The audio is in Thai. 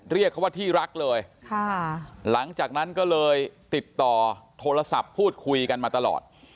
เรียกเขาว่าที่รักเลยหลังจากนั้นก็เลยติดต่อโทรศัพท์พูดคุยกันมาตลอด